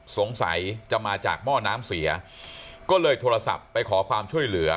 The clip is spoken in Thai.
สงสัยจะมาจากหม้อน้ำเสียก็เลยโทรศัพท์ไปขอความช่วยเหลือ